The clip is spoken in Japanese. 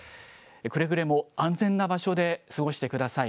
くれぐれも安全な場所で過ごしてください。